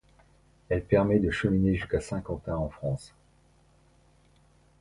Elle permet de cheminer jusqu'à Saint-Quentin, en France.